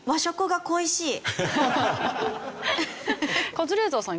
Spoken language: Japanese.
カズレーザーさん